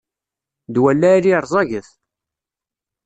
Ddwa n lɛali rẓaget.